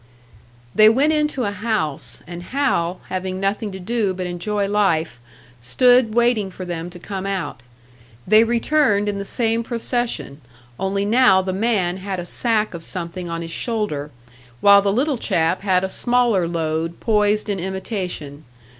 They went into a house; and Hal, having nothing to do but enjoy life, stood waiting for them to come out. They returned in the same procession, only now the man had a sack of something on his shoulder, while the little chap had a smaller load poised in imitation.